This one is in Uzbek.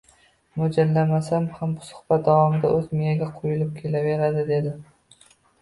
mo‘ljallamasam ham suhbat davomida o‘zi miyaga quyilib kelaveradi”, dedi.